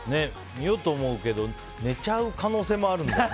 見ようと思うけど寝ちゃう可能性もあるんだよね。